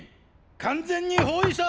完全に包囲した！